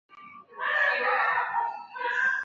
她被中国著名京剧艺术家马连良收为女弟子。